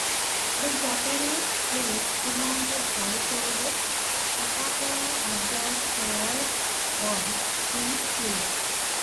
The Japanese fleet, commanded by Todo Takatora, advanced toward Won Gyun's fleets.